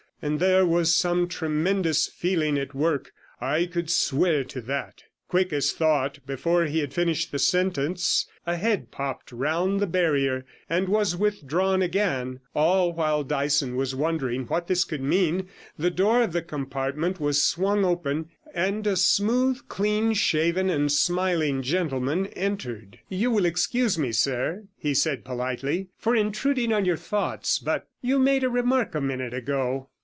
And there was some tremendous feeling at work, I could swear to that.' Quick as thought, before he had finished the sentence, a head popped round the barrier, and was withdrawn again; all while Dyson was wondering what this could mean, the door of the compartment was swung open, and a smooth, clean shaven, and smiling gentleman entered. 'You will excuse me, sir,' he said politely, 'for intruding on your thoughts, but you made a remark a minute ago.'